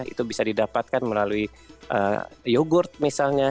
itu bisa didapatkan melalui yogurt misalnya